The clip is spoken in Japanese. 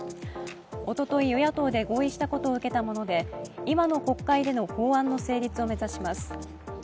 おととい与野党で合意したことを受けたもので今の国会での法案の成立を目指します。